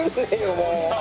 もう。